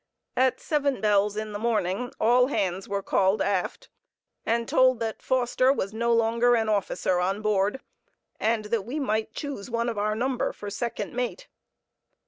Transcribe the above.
At seven bells in the morning, all hands were called aft and told that Foster was no longer an officer on board, and that we might choose one of our number for second mate.